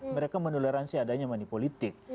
mereka menoleransi adanya manipolitik